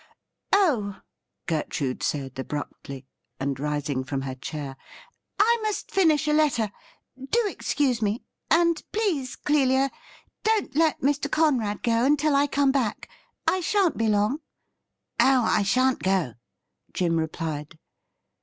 ' Oh,' Gertrude said abruptly, and rising from her chair, ' I must finish a letter. Do excuse me ; and please, Clelia, don't let Mr. Conrad go mitil I come back — ^I shan't be long.' ' Oh, I shan't go,' Jim replied.